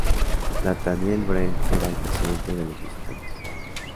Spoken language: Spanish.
Nathaniel Brent era el presidente de los visitantes.